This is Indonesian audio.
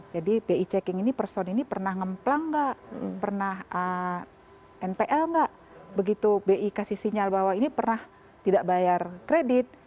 jadi bi checking ini person ini pernah nge plunk nggak pernah npl nggak begitu bi kasih sinyal bahwa ini pernah tidak bayar kredit